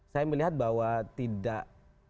saya melihat bahwa tidak